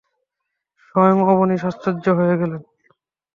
স্বয়ং অবনীশ আশ্চর্য হয়ে গেলেন।